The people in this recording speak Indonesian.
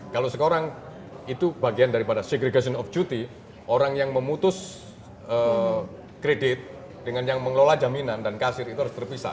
kalau sekarang itu bagian daripada segregation of duty orang yang memutus kredit dengan yang mengelola jaminan dan kasir itu harus terpisah